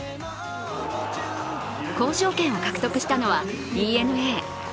交渉権を獲得したのはＤｅＮＡ。